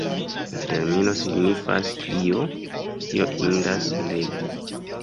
La termino signifas “io, kio indas legi”.